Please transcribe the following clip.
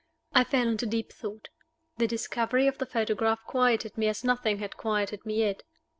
I fell into deep thought. The discovery of the photograph quieted me as nothing had quieted me yet.